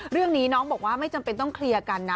เรื่องนี้น้องบอกว่าไม่จำเป็นต้องเคลียร์กันนะ